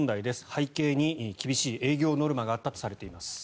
背景に厳しい営業ノルマがあったとされています。